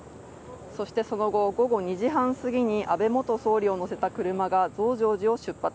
そして、その後、午後２時半すぎに、安倍元総理を乗せた車が増上寺を出発。